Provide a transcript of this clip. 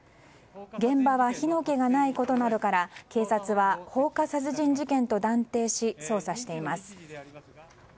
現場は火の気がないことから警察は放火殺人事件と断定し捜査しています。